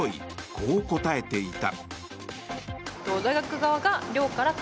こう答えていた。